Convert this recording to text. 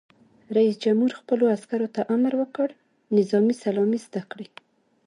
رئیس جمهور خپلو عسکرو ته امر وکړ؛ نظامي سلامي زده کړئ!